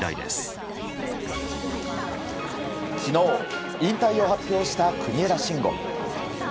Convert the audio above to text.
昨日、引退を発表した国枝慎吾。